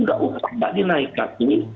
nggak usah nampak dinaikkan